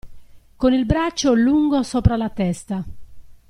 Con il braccio lungo sopra la testa.